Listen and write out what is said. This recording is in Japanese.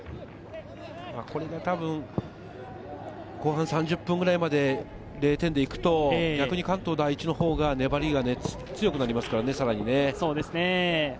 これがたぶん後半３０分くらいまで０点で行くと、逆に関東第一のほうが粘りが強くなりますから、さらにね。